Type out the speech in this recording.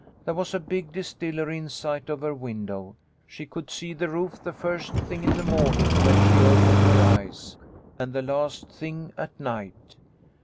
There was a big distillery in sight of her window. She could see the roof the first thing in the morning, when she opened her eyes, and the last thing at night.